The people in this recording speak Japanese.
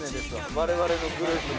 我々のグループの。